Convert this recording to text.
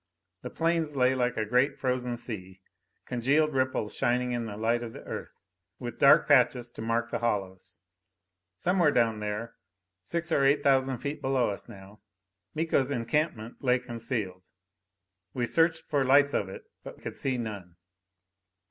The plains lay Like a great frozen sea, congealed ripples shining in the light of the Earth, with dark patches to mark the hollows. Somewhere down there six or eight thousand feet below us now Miko's encampment lay concealed. We searched for lights of it, but could see none.